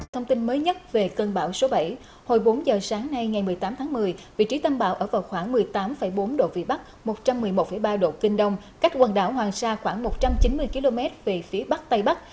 thông tin mới nhất về cơn bão số bảy hồi bốn giờ sáng nay ngày một mươi tám tháng một mươi vị trí tâm bão ở vào khoảng một mươi tám bốn độ vĩ bắc một trăm một mươi một ba độ kinh đông cách quần đảo hoàng sa khoảng một trăm chín mươi km về phía bắc tây bắc